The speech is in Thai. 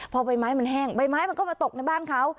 พอใบไม้มันแห้งใบไม้มันก็มาตกในบ้านเขา